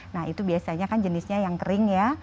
nah itu biasanya kan jenisnya yang kering ya